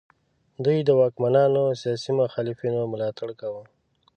دوی د واکمنانو سیاسي مخالفینو ملاتړ کاوه.